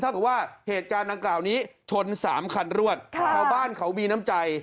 กับว่าเหตุการณ์ดังกล่าวนี้ชน๓คันรวดชาวบ้านเขามีน้ำใจ